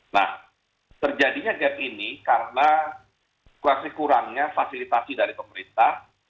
nah terjadinya gap ini karena kurangnya kurangnya fasilitasi dari pemerintah